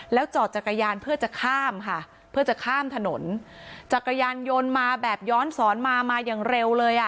แล้วจอดจักรยานเพื่อจะข้ามค่ะเพื่อจะข้ามถนนจักรยานยนต์มาแบบย้อนสอนมามาอย่างเร็วเลยอ่ะ